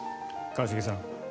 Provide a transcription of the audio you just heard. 一茂さん。